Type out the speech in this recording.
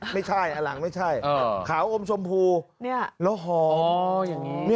ไม่ใช่หลังไม่ใช่ขาวอมชมพูแล้วหอม